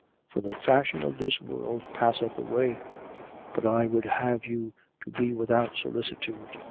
For the fashion of this world passeth away. 7:32. But I would have you to be without solicitude.